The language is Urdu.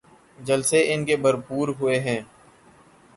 جلسے ان کے بھرپور ہوئے ہیں۔